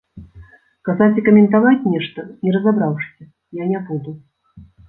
Казаць і каментаваць нешта, не разабраўшыся, я не буду.